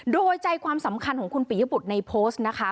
โดยใจความสำคัญของคุณปิยบุตรในโพสต์นะคะ